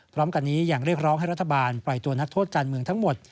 พร้อมกันนี้ยังเรียกร้องให้รัฐบาลปล่อยตัวนักโทษการเมืองทั้งหมด